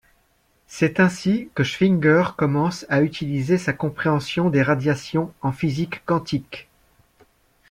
C'est ainsi que Schwinger commence à utiliser sa compréhension des radiations en physique quantique.